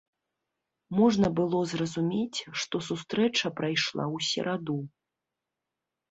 Можна было зразумець, што сустрэча прайшла ў сераду.